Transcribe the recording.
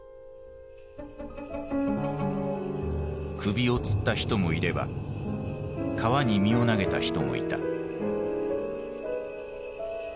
首をつった人もいれば川に身を投げた人もいた。